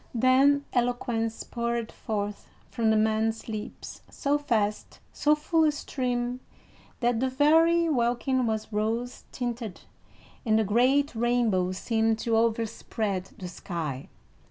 Then eloquence poured forth from the man's lips so fast, so full a stream, that the very welkin was rose tinted, and a great rainbow seemed to overspread the sky.